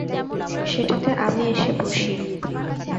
সেটাতে আমি এসে বসি।